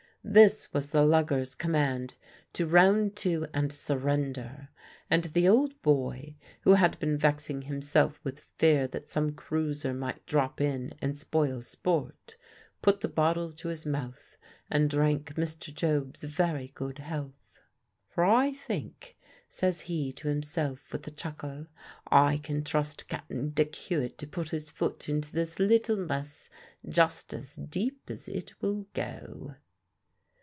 This was the lugger's command to round to and surrender; and the old boy, who had been vexing himself with fear that some cruiser might drop in and spoil sport, put the bottle to his mouth and drank Mr. Job's very good health. "For I think," says he to himself, with a chuckle, "I can trust Cap'n Dick Hewitt to put his foot into this little mess just as deep as it will go."